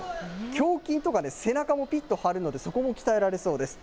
胸筋とか、背中もぴっと張るので、そこも鍛えられそうです。